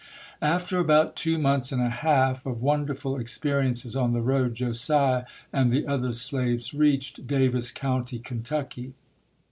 After about two months and a half 198 ] UNSUNG HEROES of wonderful experiences on the road, Josiah and the other slaves reached Davis County, Kentucky.